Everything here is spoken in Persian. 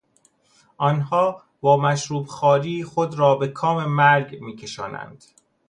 آنها با مشروب خواری خود را به کام مرگ میکشانند.